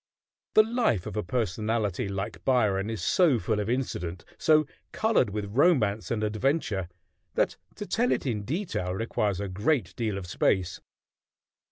The life of a personality like Byron is so full of incident, so colored with romance and adventure, that to tell it in detail requires a great deal of space.